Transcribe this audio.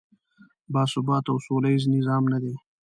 باثباته او سولیز نظام نه دی.